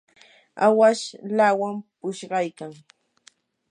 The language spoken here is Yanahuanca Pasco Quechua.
awash lawam pushqaykan.